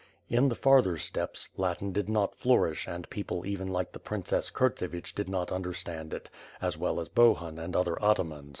In the farther steppes, Latin did not flourish and people even like the princess Kurtsevich did not understand it, as well as Bohun and other atamans.